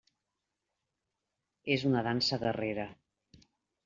És una dansa guerrera.